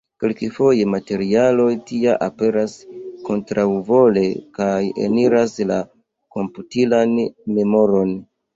Kelkfoje materialo tia aperas kontraŭvole kaj eniras la komputilan memoron.